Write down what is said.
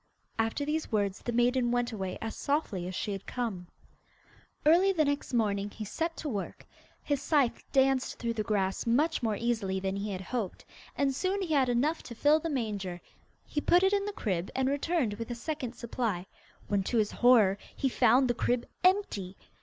After these words the maiden went away as softly as she had come. Early the next morning he set to work. His scythe danced through the grass much more easily than he had hoped, and soon he had enough to fill the manger. He put it in the crib, and returned with a second supply, when to his horror he found the crib empty.